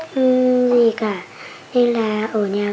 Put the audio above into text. còn ông bà con thì lúc nào cũng bất việc